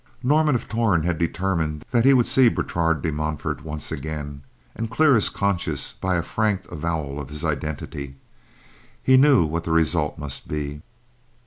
Norman of Torn had determined that he would see Bertrade de Montfort once again, and clear his conscience by a frank avowal of his identity. He knew what the result must be.